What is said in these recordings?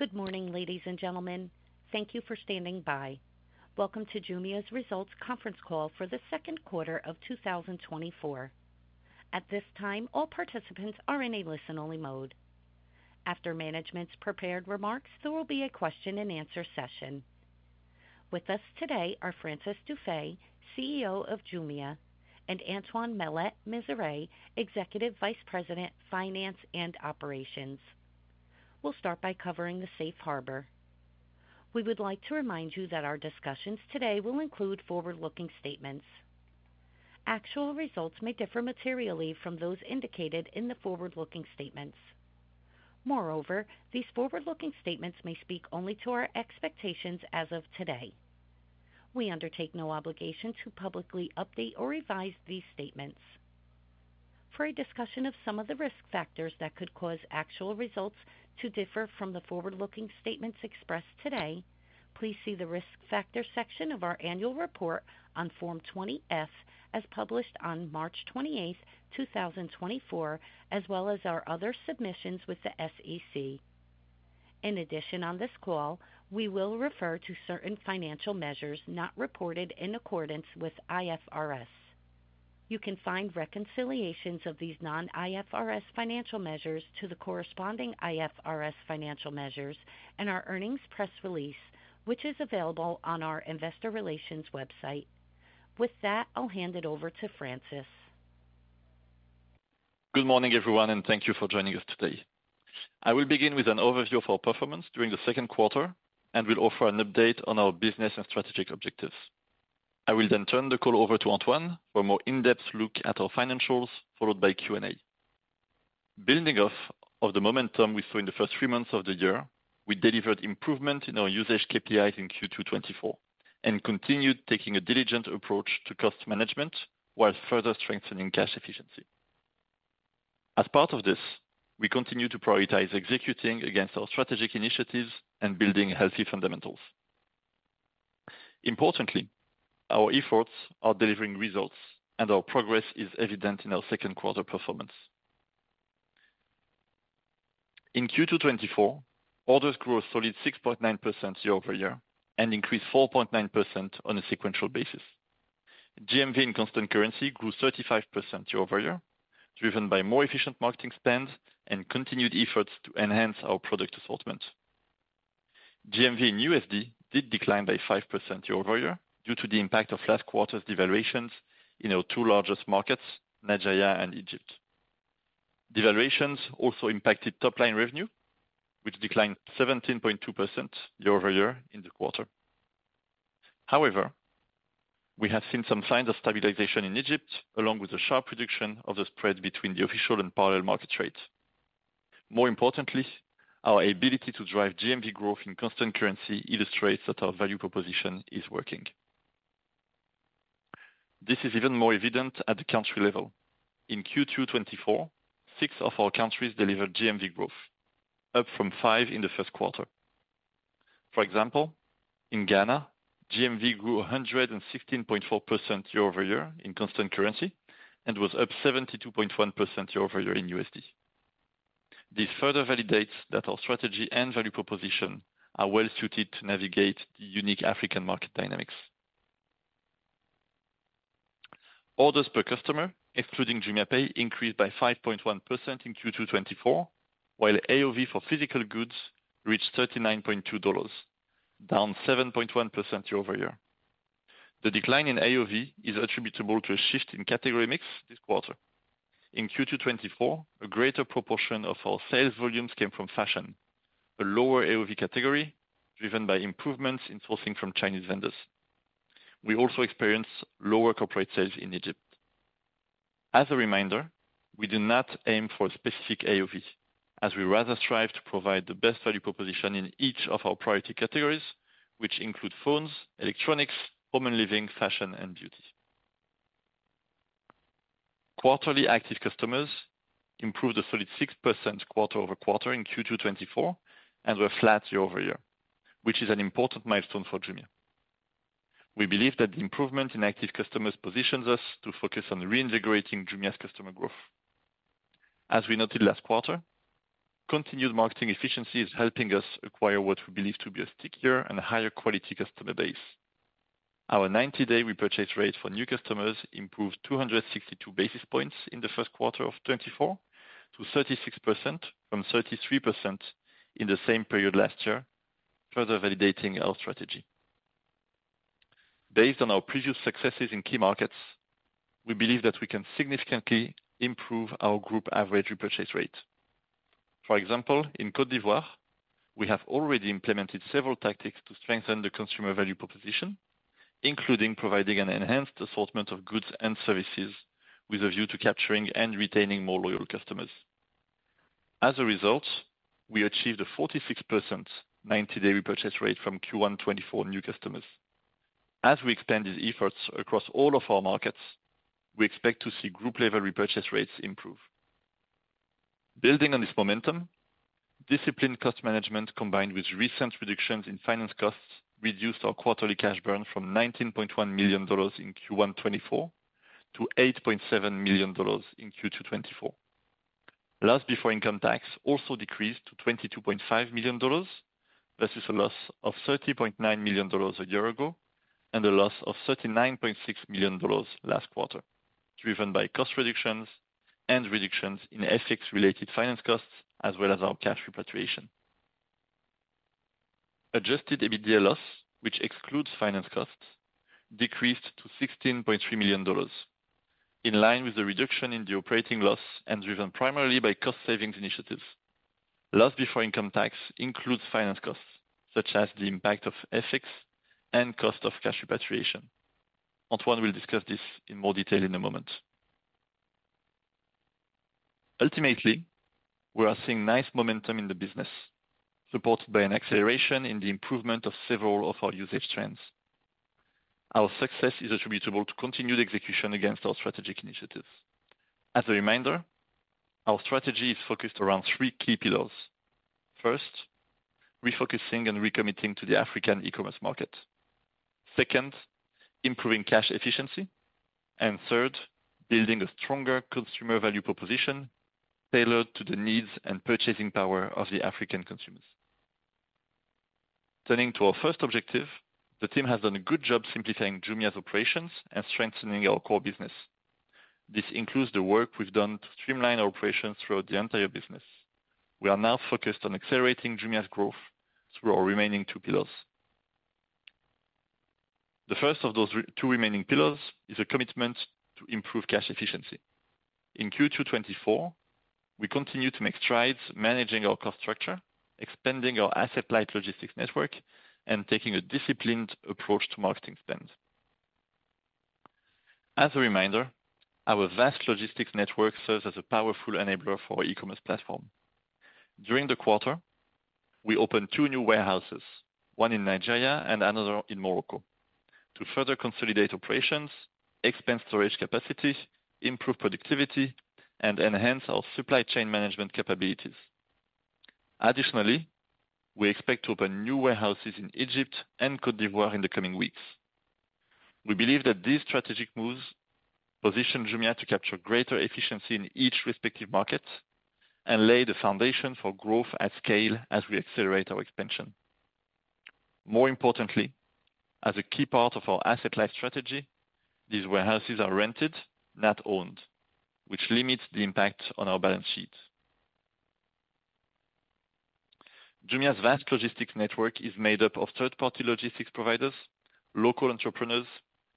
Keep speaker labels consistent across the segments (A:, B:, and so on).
A: Good morning, ladies and gentlemen. Thank you for standing by. Welcome to Jumia's results conference call for the second quarter of 2024. At this time, all participants are in a listen-only mode. After management's prepared remarks, there will be a question and answer session. With us today are Francis Dufay, CEO of Jumia, and Antoine Maillet-Mezeray, Executive Vice President, Finance and Operations. We'll start by covering the Safe Harbor. We would like to remind you that our discussions today will include forward-looking statements. Actual results may differ materially from those indicated in the forward-looking statements. Moreover, these forward-looking statements may speak only to our expectations as of today. We undertake no obligation to publicly update or revise these statements. For a discussion of some of the risk factors that could cause actual results to differ from the forward-looking statements expressed today, please see the risk factors section of our Annual Report on Form 20-F, as published on March 28th, 2024, as well as our other submissions with the SEC. In addition, on this call, we will refer to certain financial measures not reported in accordance with IFRS. You can find reconciliations of these non-IFRS financial measures to the corresponding IFRS financial measures in our earnings press release, which is available on our investor relations website. With that, I'll hand it over to Francis.
B: Good morning, everyone, and thank you for joining us today. I will begin with an overview of our performance during the second quarter and will offer an update on our business and strategic objectives. I will then turn the call over to Antoine for a more in-depth look at our financials, followed by Q&A. Building off of the momentum we saw in the first three months of the year, we delivered improvement in our usage KPIs in Q2 2024, and continued taking a diligent approach to cost management, while further strengthening cash efficiency. As part of this, we continue to prioritize executing against our strategic initiatives and building healthy fundamentals. Importantly, our efforts are delivering results, and our progress is evident in our second quarter performance. In Q2 2024, orders grew a solid 6.9% year-over-year and increased 4.9% on a sequential basis. GMV in constant currency grew 35% year-over-year, driven by more efficient marketing spends and continued efforts to enhance our product assortment. GMV in USD did decline by 5% year-over-year due to the impact of last quarter's devaluations in our two largest markets, Nigeria and Egypt. Devaluations also impacted top-line revenue, which declined 17.2% year-over-year in the quarter. However, we have seen some signs of stabilization in Egypt, along with a sharp reduction of the spread between the official and parallel market rates. More importantly, our ability to drive GMV growth in constant currency illustrates that our value proposition is working. This is even more evident at the country level. In Q2 2024, six of our countries delivered GMV growth, up from five in the first quarter. For example, in Ghana, GMV grew 116.4% year-over-year in constant currency and was up 72.1% year-over-year in USD. This further validates that our strategy and value proposition are well suited to navigate the unique African market dynamics. Orders per customer, excluding JumiaPay, increased by 5.1% in Q2 2024, while AOV for physical goods reached $39.2, down 7.1% year-over-year. The decline in AOV is attributable to a shift in category mix this quarter. In Q2 2024, a greater proportion of our sales volumes came from fashion, a lower AOV category, driven by improvements in sourcing from Chinese vendors. We also experienced lower corporate sales in Egypt. As a reminder, we do not aim for a specific AOV, as we rather strive to provide the best value proposition in each of our priority categories, which include phones, electronics, home and living, fashion, and beauty. Quarterly active customers improved a solid 6% quarter-over-quarter in Q2 2024 and were flat year-over-year, which is an important milestone for Jumia. We believe that the improvement in active customers positions us to focus on reinvigorating Jumia's customer growth. As we noted last quarter, continued marketing efficiency is helping us acquire what we believe to be a stickier and higher quality customer base. Our ninety-day repurchase rate for new customers improved 262 basis points in the first quarter of 2024 to 36% from 33% in the same period last year, further validating our strategy. Based on our previous successes in key markets, we believe that we can significantly improve our group average repurchase rate. For example, in Côte d'Ivoire, we have already implemented several tactics to strengthen the consumer value proposition, including providing an enhanced assortment of goods and services with a view to capturing and retaining more loyal customers. As a result, we achieved a 46% 90-day repurchase rate from Q1 2024 new customers. As we expand these efforts across all of our markets, we expect to see group-level repurchase rates improve. Building on this momentum, disciplined cost management, combined with recent reductions in finance costs, reduced our quarterly cash burn from $19.1 million in Q1 2024 to $8.7 million in Q2 2024. Loss before income tax also decreased to $22.5 million, versus a loss of $30.9 million a year ago, and a loss of $39.6 million last quarter, driven by cost reductions and reductions in FX-related finance costs, as well as our cash repatriation. Adjusted EBITDA loss, which excludes finance costs, decreased to $16.3 million, in line with the reduction in the operating loss and driven primarily by cost savings initiatives. Loss before income tax includes finance costs, such as the impact of FX and cost of cash repatriation. Antoine will discuss this in more detail in a moment. Ultimately, we are seeing nice momentum in the business, supported by an acceleration in the improvement of several of our usage trends. Our success is attributable to continued execution against our strategic initiatives. As a reminder, our strategy is focused around three key pillars. First, refocusing and recommitting to the African e-commerce market. Second, improving cash efficiency. And third, building a stronger consumer value proposition tailored to the needs and purchasing power of the African consumers. Turning to our first objective, the team has done a good job simplifying Jumia's operations and strengthening our core business. This includes the work we've done to streamline our operations throughout the entire business. We are now focused on accelerating Jumia's growth through our remaining two pillars. The first of those two remaining pillars is a commitment to improve cash efficiency. In Q2 2024, we continue to make strides managing our cost structure, expanding our asset-light logistics network, and taking a disciplined approach to marketing spend. As a reminder, our vast logistics network serves as a powerful enabler for our e-commerce platform. During the quarter, we opened two new warehouses, one in Nigeria and another in Morocco, to further consolidate operations, expand storage capacity, improve productivity, and enhance our supply chain management capabilities. Additionally, we expect to open new warehouses in Egypt and Côte d'Ivoire in the coming weeks. We believe that these strategic moves position Jumia to capture greater efficiency in each respective market and lay the foundation for growth at scale as we accelerate our expansion. More importantly, as a key part of our asset-light strategy, these warehouses are rented, not owned, which limits the impact on our balance sheet. Jumia's vast logistics network is made up of third-party logistics providers, local entrepreneurs,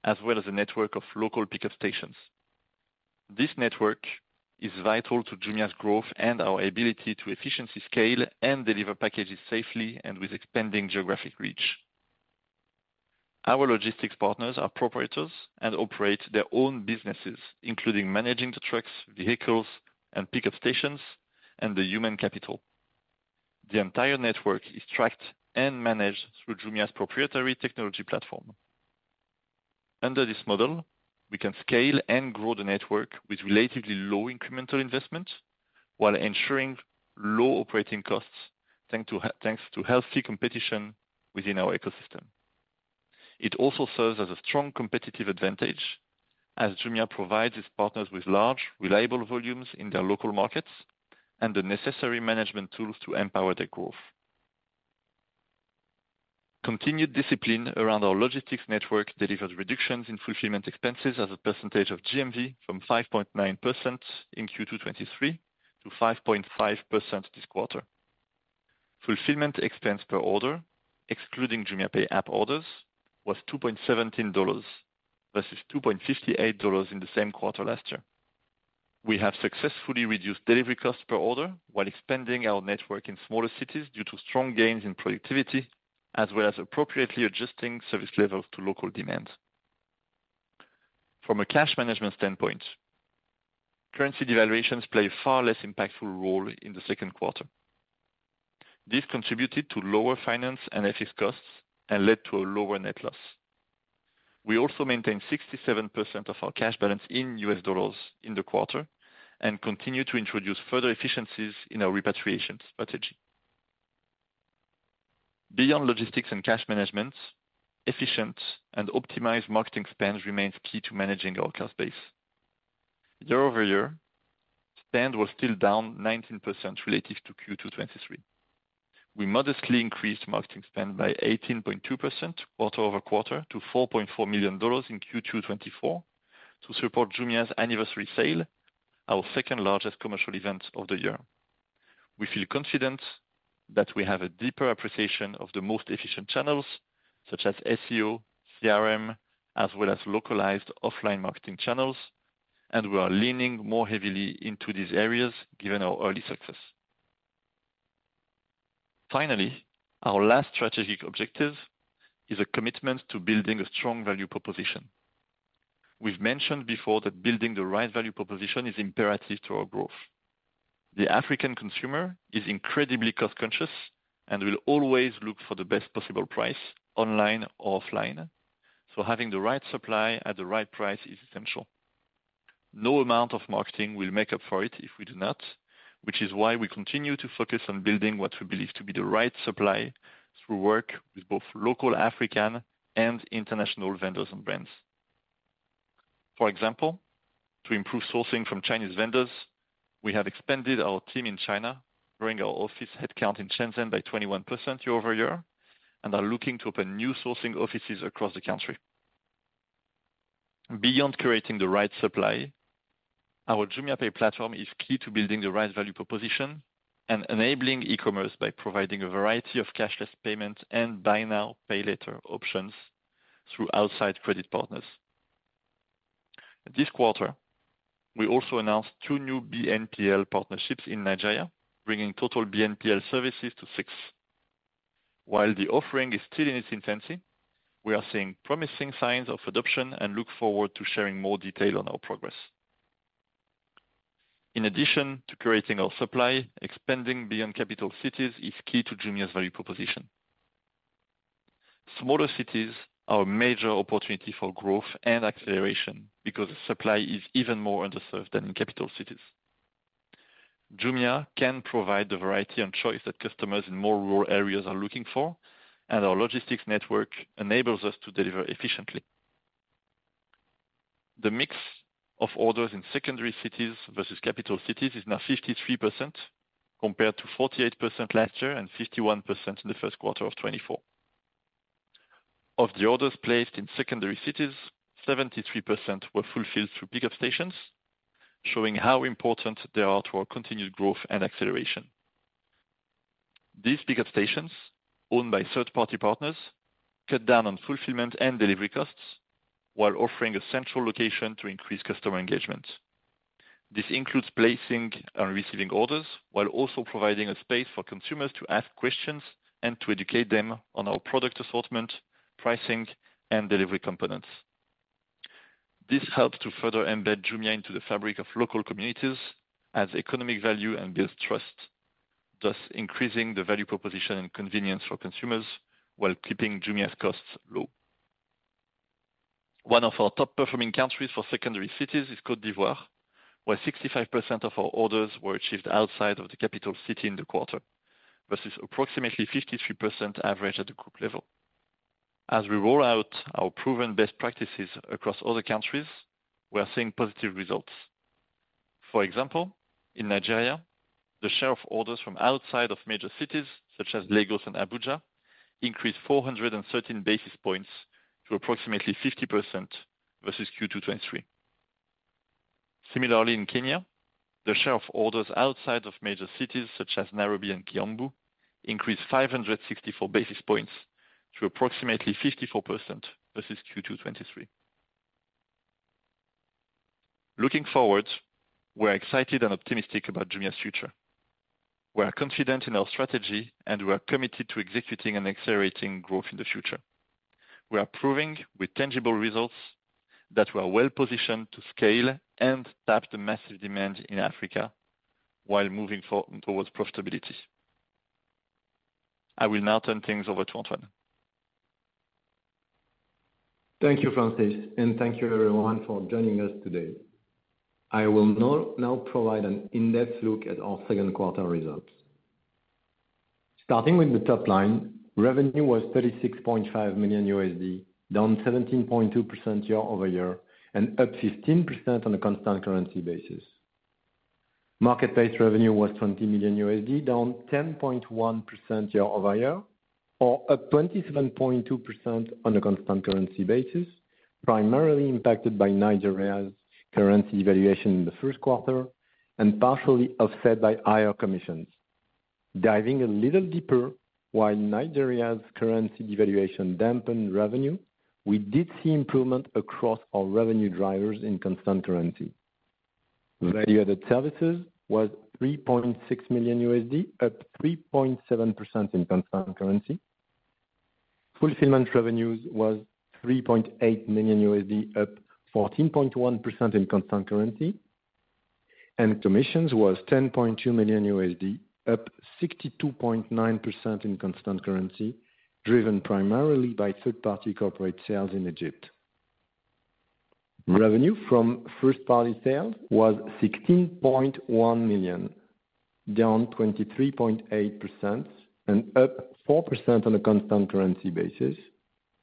B: as well as a network of local pickup stations. This network is vital to Jumia's growth and our ability to efficiently scale and deliver packages safely and with expanding geographic reach. Our logistics partners are proprietors and operate their own businesses, including managing the trucks, vehicles, and pickup stations, and the human capital. The entire network is tracked and managed through Jumia's proprietary technology platform. Under this model, we can scale and grow the network with relatively low incremental investment while ensuring low operating costs, thanks to healthy competition within our ecosystem. It also serves as a strong competitive advantage as Jumia provides its partners with large, reliable volumes in their local markets and the necessary management tools to empower their growth. Continued discipline around our logistics network delivered reductions in fulfillment expenses as a percentage of GMV from 5.9% in Q2 2023 to 5.5% this quarter. Fulfillment expense per order, excluding JumiaPay app orders, was $2.17, versus $2.58 in the same quarter last year. We have successfully reduced delivery costs per order while expanding our network in smaller cities due to strong gains in productivity, as well as appropriately adjusting service levels to local demands. From a cash management standpoint, currency devaluations play a far less impactful role in the second quarter. This contributed to lower finance and FX costs and led to a lower net loss. We also maintained 67% of our cash balance in U.S. dollars in the quarter and continue to introduce further efficiencies in our repatriation strategy. Beyond logistics and cash management, efficient and optimized marketing spend remains key to managing our cost base. Year-over-year, spend was still down 19% relative to Q2 2023. We modestly increased marketing spend by 18.2% quarter-over-quarter to $4.4 million in Q2 2024 to support Jumia's anniversary sale, our second-largest commercial event of the year. We feel confident that we have a deeper appreciation of the most efficient channels, such as SEO, CRM, as well as localized offline marketing channels, and we are leaning more heavily into these areas given our early success. Finally, our last strategic objective is a commitment to building a strong value proposition. We've mentioned before that building the right value proposition is imperative to our growth. The African consumer is incredibly cost-conscious and will always look for the best possible price, online or offline, so having the right supply at the right price is essential. No amount of marketing will make up for it if we do not, which is why we continue to focus on building what we believe to be the right supply through work with both local, African, and international vendors and brands. For example, to improve sourcing from Chinese vendors, we have expanded our team in China, growing our office headcount in Shenzhen by 21% year-over-year, and are looking to open new sourcing offices across the country. Beyond curating the right supply, our JumiaPay platform is key to building the right value proposition and enabling e-commerce by providing a variety of cashless payments and buy now, pay later options through outside credit partners. This quarter, we also announced two new BNPL partnerships in Nigeria, bringing total BNPL services to six. While the offering is still in its infancy, we are seeing promising signs of adoption and look forward to sharing more detail on our progress. In addition to curating our supply, expanding beyond capital cities is key to Jumia's value proposition. Smaller cities are a major opportunity for growth and acceleration because supply is even more underserved than in capital cities. Jumia can provide the variety and choice that customers in more rural areas are looking for, and our logistics network enables us to deliver efficiently. The mix of orders in secondary cities versus capital cities is now 53%, compared to 48% last year and 51% in the first quarter of 2024. Of the orders placed in secondary cities, 73% were fulfilled through pickup stations, showing how important they are to our continued growth and acceleration. These pickup stations, owned by third-party partners, cut down on fulfillment and delivery costs while offering a central location to increase customer engagement. This includes placing and receiving orders, while also providing a space for consumers to ask questions and to educate them on our product assortment, pricing, and delivery components. This helps to further embed Jumia into the fabric of local communities, adds economic value, and builds trust, thus increasing the value proposition and convenience for consumers while keeping Jumia's costs low. One of our top-performing countries for secondary cities is Côte d'Ivoire, where 65% of our orders were achieved outside of the capital city in the quarter, versus approximately 53% average at the group level. As we roll out our proven best practices across other countries, we are seeing positive results. For example, in Nigeria, the share of orders from outside of major cities, such as Lagos and Abuja, increased 413 basis points to approximately 50% versus Q2 2023. Similarly, in Kenya, the share of orders outside of major cities, such as Nairobi and Kiambu, increased 564 basis points to approximately 54% versus Q2 2023. Looking forward, we're excited and optimistic about Jumia's future. We are confident in our strategy, and we are committed to executing and accelerating growth in the future. We are proving with tangible results that we are well-positioned to scale and tap the massive demand in Africa while moving towards profitability. I will now turn things over to Antoine.
C: Thank you, Francis, and thank you everyone for joining us today. I will now provide an in-depth look at our second quarter results. Starting with the top line, revenue was $36.5 million, down 17.2% year-over-year, and up 15% on a constant currency basis. Marketplace revenue was $20 million, down 10.1% year-over-year, or up 27.2% on a constant currency basis, primarily impacted by Nigeria's currency devaluation in the first quarter, and partially offset by higher commissions. Diving a little deeper, while Nigeria's currency devaluation dampened revenue, we did see improvement across our revenue drivers in constant currency. Value-added services was $3.6 million, up 3.7% in constant currency. Fulfillment revenues was $3.8 million, up 14.1% in constant currency, and commissions was $10.2 million, up 62.9% in constant currency, driven primarily by third-party corporate sales in Egypt. Revenue from first-party sales was $16.1 million, down 23.8% and up 4% on a constant currency basis,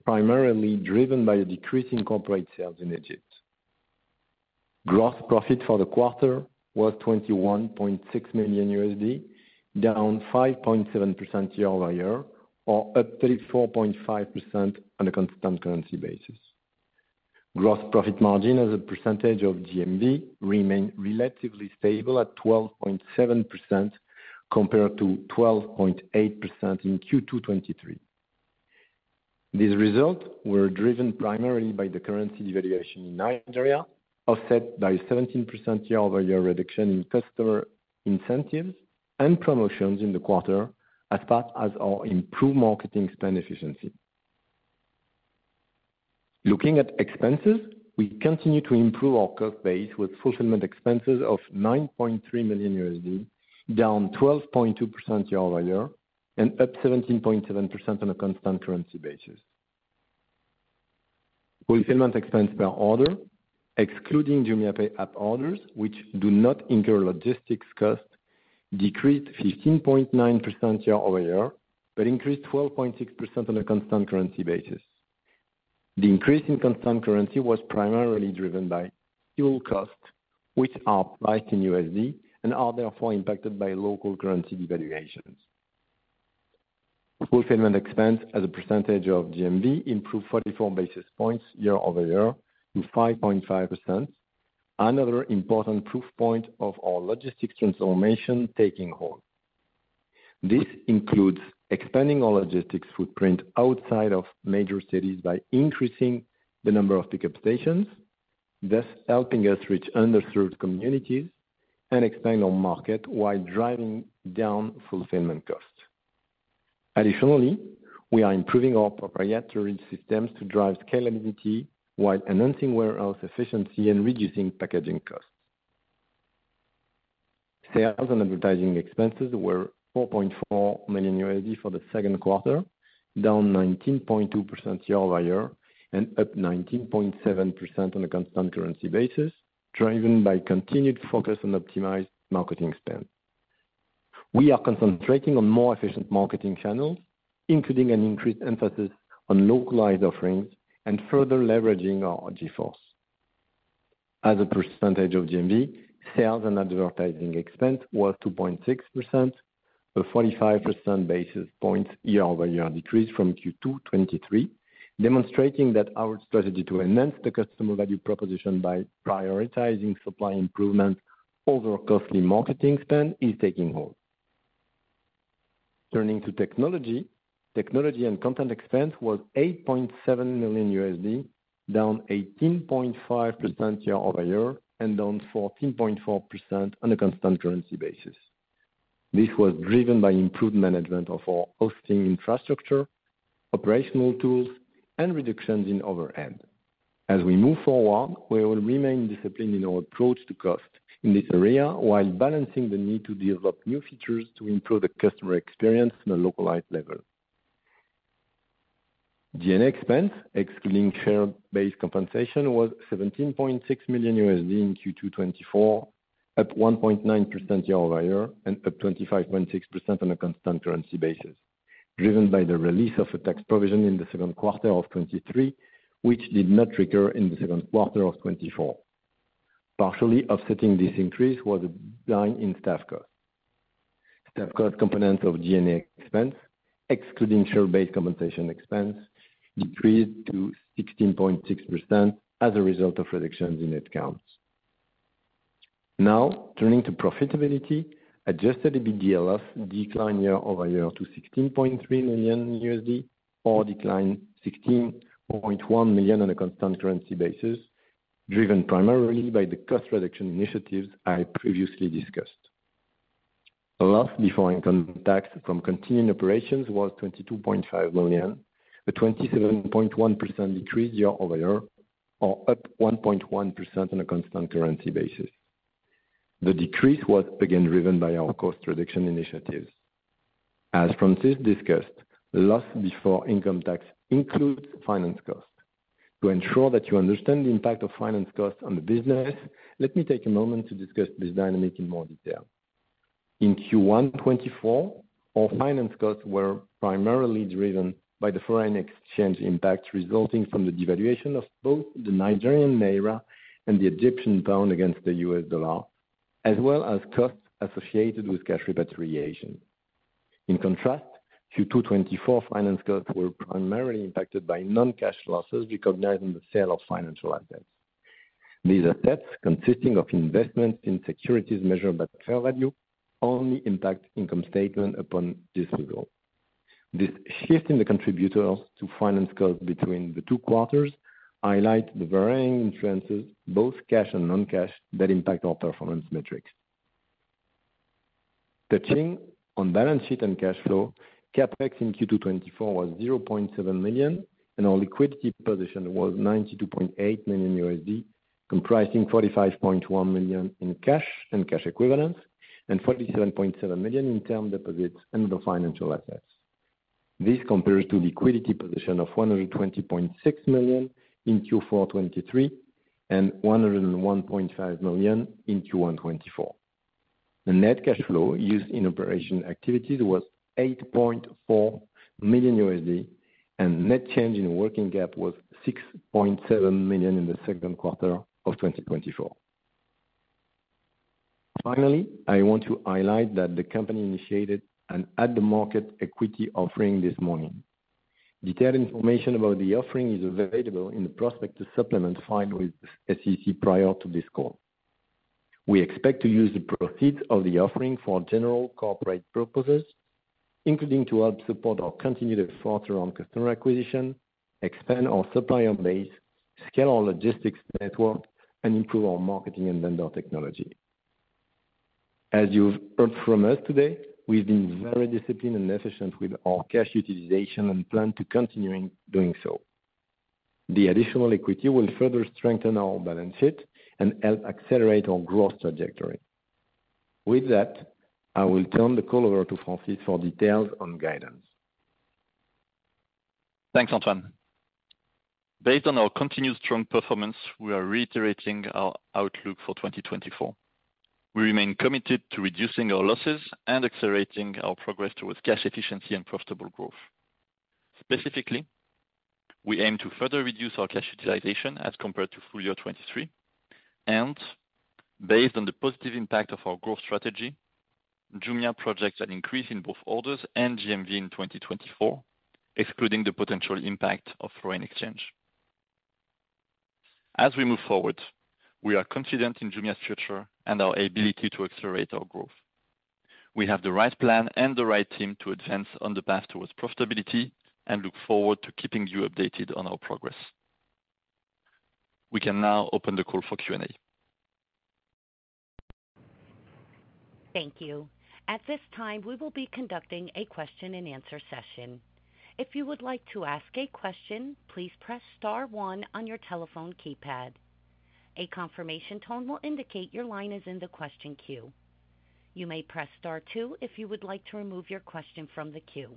C: primarily driven by a decrease in corporate sales in Egypt. Gross profit for the quarter was $21.6 million, down 5.7% year-over-year, or up 34.5% on a constant currency basis. Gross profit margin as a percentage of GMV remained relatively stable at 12.7%, compared to 12.8% in Q2 2023. These results were driven primarily by the currency devaluation in Nigeria, offset by 17% year-over-year reduction in customer incentives and promotions in the quarter, as well as our improved marketing spend efficiency. Looking at expenses, we continue to improve our cost base with fulfillment expenses of $9.3 million, down 12.2% year-over-year, and up 17.7% on a constant currency basis. Fulfillment expense per order, excluding JumiaPay app orders, which do not incur logistics costs, decreased 15.9% year-over-year, but increased 12.6% on a constant currency basis. The increase in constant currency was primarily driven by fuel costs, which are priced in USD and are therefore impacted by local currency devaluations. Fulfillment expense as a percentage of GMV improved 44 basis points year-over-year to 5.5%. Another important proof point of our logistics transformation taking hold. This includes expanding our logistics footprint outside of major cities by increasing the number of pickup stations, thus helping us reach underserved communities and expand our market while driving down fulfillment costs. Additionally, we are improving our proprietary systems to drive scalability while enhancing warehouse efficiency and reducing packaging costs. Sales and advertising expenses were $4.4 million for the second quarter, down 19.2% year-over-year, and up 19.7% on a constant currency basis, driven by continued focus on optimized marketing spend. We are concentrating on more efficient marketing channels, including an increased emphasis on localized offerings and further leveraging our JForce. As a percentage of GMV, sales and advertising expense was 2.6%, a 45 basis points year-over-year decrease from Q2 2023, demonstrating that our strategy to enhance the customer value proposition by prioritizing supply improvement over costly marketing spend is taking hold. Turning to technology. Technology and content expense was $8.7 million, down 18.5% year-over-year, and down 14.4% on a constant currency basis. This was driven by improved management of our hosting infrastructure, operational tools, and reductions in overhead. As we move forward, we will remain disciplined in our approach to cost in this area, while balancing the need to develop new features to improve the customer experience on a localized level. G&A expense, excluding share-based compensation, was $17.6 million in Q2 2024, up 1.9% year-over-year, and up 25.6% on a constant currency basis, driven by the release of a tax provision in the second quarter of 2023, which did not recur in the second quarter of 2024. Partially offsetting this increase was a decline in staff costs. Staff cost component of G&A expense, excluding share-based compensation expense, decreased to 16.6% as a result of reductions in headcounts. Now, turning to profitability. Adjusted EBITDA declined year-over-year to $16.3 million, or declined $16.1 million on a constant currency basis, driven primarily by the cost reduction initiatives I previously discussed. Loss before income tax from continuing operations was $22.5 million, a 27.1% decrease year-over-year, or up 1.1% on a constant currency basis. The decrease was again driven by our cost reduction initiatives. As Francis discussed, loss before income tax includes finance costs. To ensure that you understand the impact of finance costs on the business, let me take a moment to discuss this dynamic in more detail. In Q1 2024, our finance costs were primarily driven by the foreign exchange impact, resulting from the devaluation of both the Nigerian naira and the Egyptian pound against the U.S. dollar, as well as costs associated with cash repatriation. In contrast, Q2 2024 finance costs were primarily impacted by non-cash losses recognized in the sale of financial assets. These assets, consisting of investments in securities measured by fair value, only impact income statement upon disposal. This shift in the contributors to finance costs between the two quarters highlight the varying influences, both cash and non-cash, that impact our performance metrics. Touching on balance sheet and cash flow, CapEx in Q2 2024 was $0.7 million, and our liquidity position was $92.8 million, comprising $45.1 million in cash and cash equivalents, and $47.7 million in term deposits and other financial assets. This compares to liquidity position of $120.6 million in Q4 2023, and $101.5 million in Q1 2024. The net cash flow used in operating activities was $8.4 million, and net change in working capital was $6.7 million in the second quarter of 2024. Finally, I want to highlight that the company initiated an at-the-market equity offering this morning. Detailed information about the offering is available in the prospectus supplement filed with the SEC prior to this call. We expect to use the proceeds of the offering for general corporate purposes, including to help support our continued effort around customer acquisition, expand our supplier base, scale our logistics network, and improve our marketing and vendor technology. As you've heard from us today, we've been very disciplined and efficient with our cash utilization and plan to continue doing so. The additional equity will further strengthen our balance sheet and help accelerate our growth trajectory. With that, I will turn the call over to Francis for details on guidance.
B: Thanks, Antoine. Based on our continued strong performance, we are reiterating our outlook for 2024. We remain committed to reducing our losses and accelerating our progress towards cash efficiency and profitable growth. Specifically, we aim to further reduce our cash utilization as compared to full year 2023, and based on the positive impact of our growth strategy, Jumia projects an increase in both orders and GMV in 2024, excluding the potential impact of foreign exchange. As we move forward, we are confident in Jumia's future and our ability to accelerate our growth. We have the right plan and the right team to advance on the path towards profitability and look forward to keeping you updated on our progress. We can now open the call for Q&A.
A: Thank you. At this time, we will be conducting a question-and-answer session. If you would like to ask a question, please press star one on your telephone keypad. A confirmation tone will indicate your line is in the question queue. You may press star two if you would like to remove your question from the queue.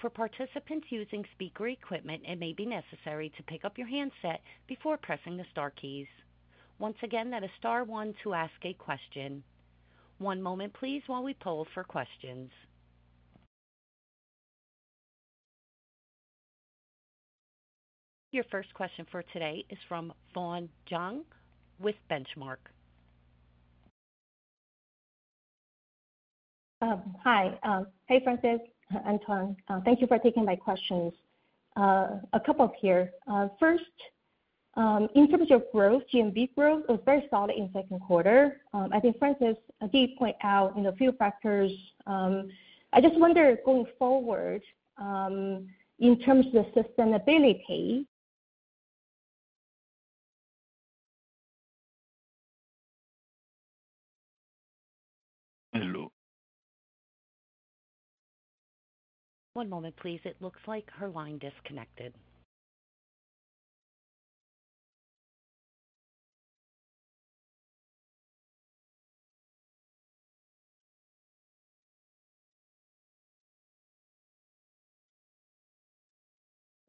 A: For participants using speaker equipment, it may be necessary to pick up your handset before pressing the star keys. Once again, that is star one to ask a question. One moment, please, while we poll for questions. Your first question for today is from Fawne Jiang with Benchmark.
D: Hi. Hey, Francis, Antoine. Thank you for taking my questions. A couple here. First, in terms of growth, GMV growth was very solid in second quarter. I think Francis did point out, you know, a few factors. I just wonder, going forward, in terms of sustainability.
B: Hello?
A: One moment, please. It looks like her line disconnected.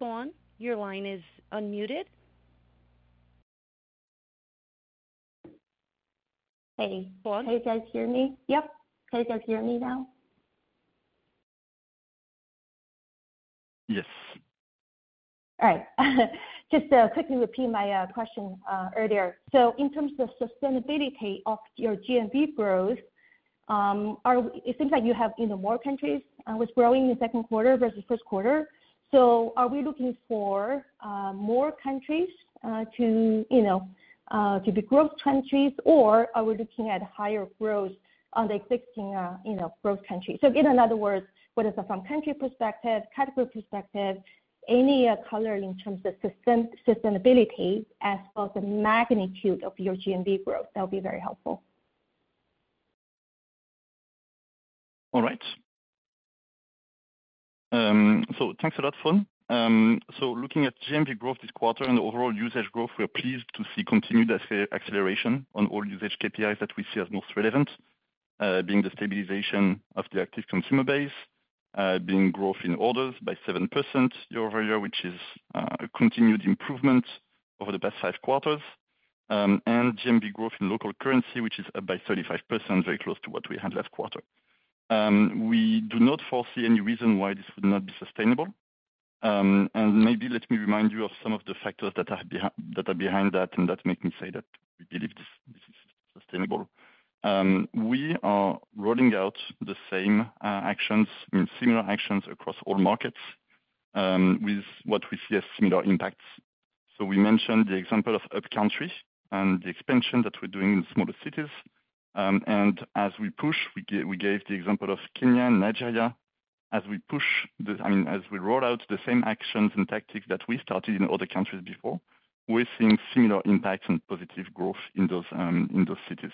A: Fawne, your line is unmuted.
D: Hey.
A: Fawne?
D: Can you guys hear me?
A: Yep.
D: Can you guys hear me now?
B: Yes.
D: All right. Just to quickly repeat my question earlier. So in terms of sustainability of your GMV growth, it seems like you have even more countries was growing in the second quarter versus first quarter. So are we looking for more countries to, you know, to be growth countries, or are we looking at higher growth on the existing, you know, growth countries? So in other words, whether it's from country perspective, category perspective, any color in terms of sustainability as well as the magnitude of your GMV growth, that would be very helpful.
B: All right. So thanks a lot, Fawne. So looking at GMV growth this quarter and the overall usage growth, we are pleased to see continued acceleration on all usage KPIs that we see as most relevant, being the stabilization of the active consumer base, being growth in orders by 7% year-over-year, which is a continued improvement over the past five quarters, and GMV growth in local currency, which is up by 35%, very close to what we had last quarter. We do not foresee any reason why this would not be sustainable. And maybe let me remind you of some of the factors that are behind that, and that make me say that we believe this is sustainable. We are rolling out the same, I mean, similar actions across all markets, with what we see as similar impacts. We mentioned the example of hub countries and the expansion that we're doing in smaller cities. And as we push, we gave the example of Kenya and Nigeria. I mean, as we roll out the same actions and tactics that we started in other countries before, we're seeing similar impacts and positive growth in those cities.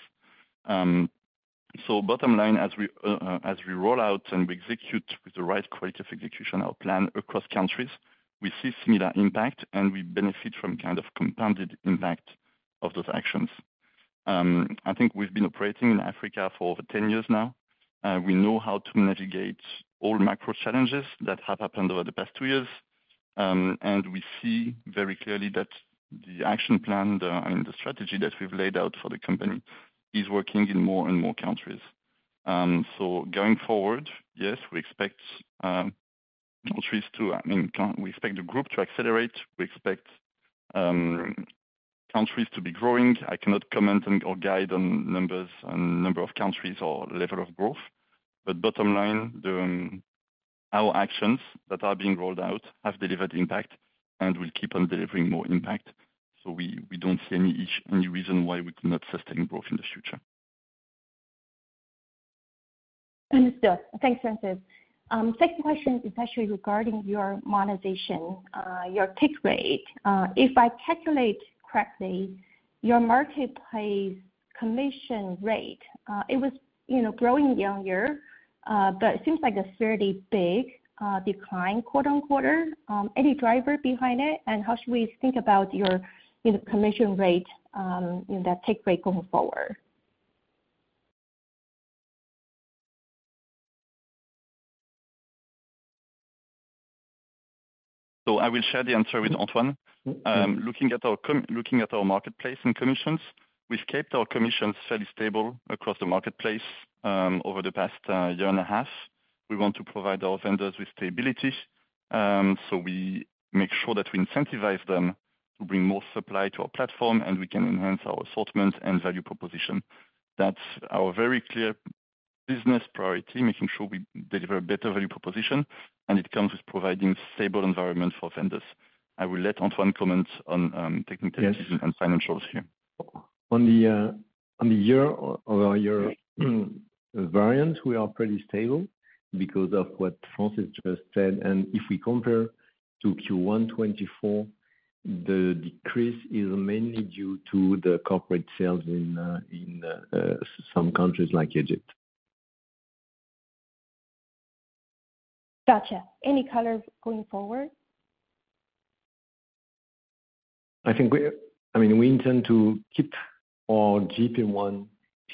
B: Bottom line, as we roll out and we execute with the right quality of execution, our plan across countries, we see similar impact, and we benefit from kind of compounded impact of those actions. I think we've been operating in Africa for over 10 years now. We know how to navigate all macro challenges that have happened over the past two years. And we see very clearly that the action plan, I mean, the strategy that we've laid out for the company is working in more and more countries. So going forward, yes, we expect countries to, I mean, we expect the group to accelerate. We expect countries to be growing. I cannot comment on or guide on numbers, on number of countries or level of growth. But bottom line, our actions that are being rolled out have delivered impact and will keep on delivering more impact. So we don't see any reason why we cannot sustain growth in the future.
D: Understood. Thanks, Francis. Second question is actually regarding your monetization, your take rate. If I calculate correctly, your marketplace commission rate, it was, you know, growing year-over-year, but it seems like a fairly big, decline quarter-over-quarter. Any driver behind it? How should we think about your, you know, commission rate, you know, that take rate going forward?
B: So I will share the answer with Antoine. Looking at our marketplace and commissions, we've kept our commissions fairly stable across the marketplace over the past year and a half. We want to provide our vendors with stability, so we make sure that we incentivize them to bring more supply to our platform, and we can enhance our assortment and value proposition. That's our very clear business priority, making sure we deliver a better value proposition, and it comes with providing stable environment for vendors. I will let Antoine comment on technical and financials here.
C: On the year-over-year variant, we are pretty stable because of what Francis just said. If we compare to Q1 2024, the decrease is mainly due to the corporate sales in some countries like Egypt.
D: Gotcha. Any color going forward?
C: I think we, I mean, we intend to keep our GP one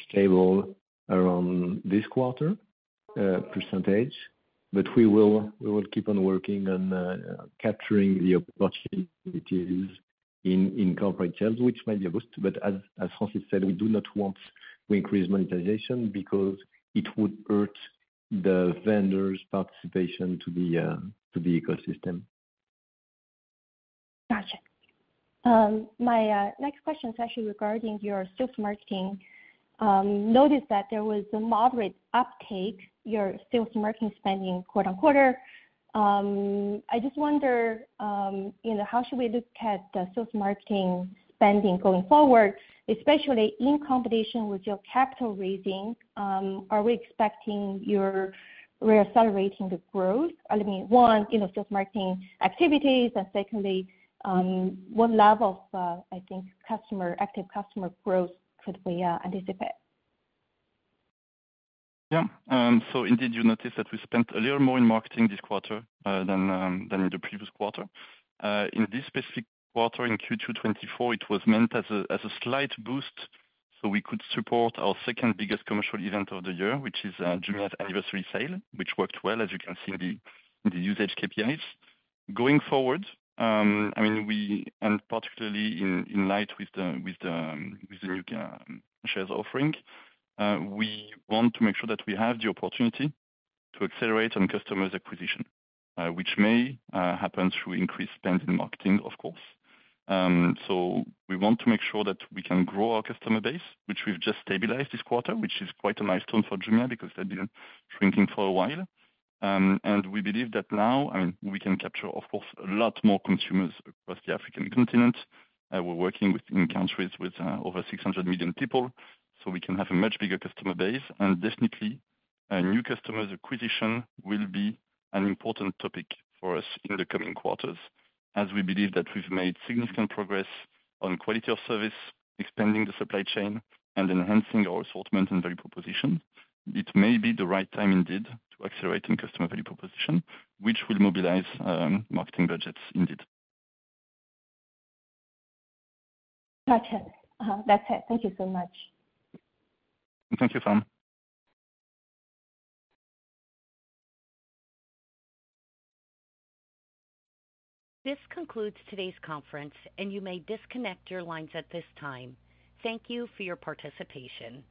C: stable around this quarter percentage, but we will, we will keep on working on capturing the opportunities in, in corporate sales, which might be a boost. But as Francis said, we do not want to increase monetization because it would hurt the vendors' participation to the ecosystem.
D: Gotcha. My next question is actually regarding your sales marketing. Noticed that there was a moderate uptake, your sales marketing spending quarter on quarter. I just wonder, you know, how should we look at the sales marketing spending going forward, especially in combination with your capital raising? Are we expecting you're reaccelerating the growth? I mean, one, you know, sales marketing activities, and secondly, what level of, I think customer, active customer growth could we anticipate?
B: Yeah. So indeed, you noticed that we spent a little more in marketing this quarter than in the previous quarter. In this specific quarter, in Q2 2024, it was meant as a slight boost, so we could support our second-biggest commercial event of the year, which is Jumia's anniversary sale, which worked well, as you can see in the usage KPIs. Going forward, I mean, we and particularly in light of the new shares offering, we want to make sure that we have the opportunity to accelerate on customers' acquisition, which may happen through increased spend in marketing, of course. So we want to make sure that we can grow our customer base, which we've just stabilized this quarter, which is quite a milestone for Jumia, because they've been shrinking for a while. And we believe that now, I mean, we can capture, of course, a lot more consumers across the African continent, we're working with, in countries with, over 600 million people, so we can have a much bigger customer base. And definitely, new customers acquisition will be an important topic for us in the coming quarters, as we believe that we've made significant progress on quality of service, expanding the supply chain, and enhancing our assortment and value proposition. It may be the right time, indeed, to accelerating customer value proposition, which will mobilize, marketing budgets indeed.
D: Gotcha. That's it. Thank you so much.
B: Thank you, Fawne.
A: This concludes today's conference, and you may disconnect your lines at this time. Thank you for your participation.